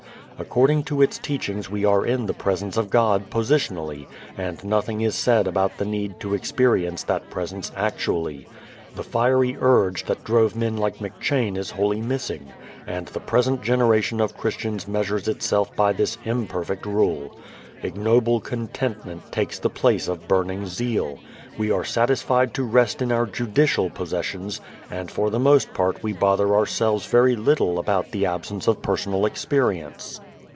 According to its teachings we are in the Presence of God positionally, and nothing is said about the need to experience that Presence actually. The fiery urge that drove men like McCheyne is wholly missing. And the present generation of Christians measures itself by this imperfect rule. Ignoble contentment takes the place of burning zeal. We are satisfied to rest in our judicial possessions and for the most part we bother ourselves very little about the absence of personal experience.